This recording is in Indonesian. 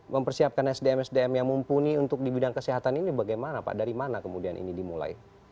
mempersiapkan sdm sdm yang mumpuni untuk di bidang kesehatan ini bagaimana pak dari mana kemudian ini dimulai